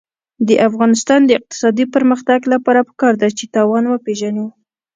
د افغانستان د اقتصادي پرمختګ لپاره پکار ده چې تاوان وپېژنو.